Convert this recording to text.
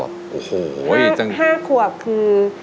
แบบ๕ขวบคือ